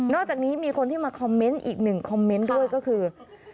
อกจากนี้มีคนที่มาคอมเมนต์อีกหนึ่งคอมเมนต์ด้วยก็คือ